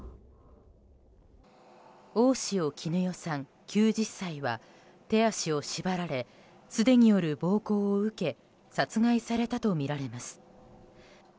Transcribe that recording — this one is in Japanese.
大塩衣與さん、９０歳は手足を縛られ素手による暴行を受け殺害されたとみられます。